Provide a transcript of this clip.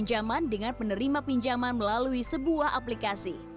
pinjaman dengan penerima pinjaman melalui sebuah aplikasi